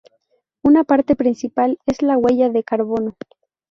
Una parte principal es la huella de carbono.